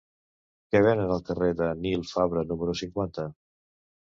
Què venen al carrer de Nil Fabra número cinquanta?